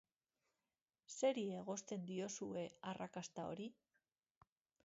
Zeri egozten diozue arrakasta hori?